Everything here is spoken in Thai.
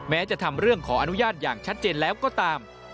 จะทำเรื่องขออนุญาตอย่างชัดเจนแล้วก็ตาม